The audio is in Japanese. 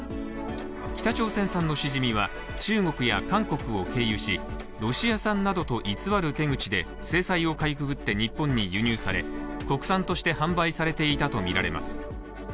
北朝鮮産のしじみは中国や韓国を経由し、ロシア産などと偽る手口で制裁をかいくぐって日本に輸入され国産として販売されていたとみられます。